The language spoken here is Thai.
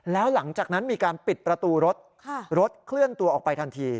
แล้วหลังจากนั้นมีการปิดประตูรถรถเคลื่อนตัวออกไปทันที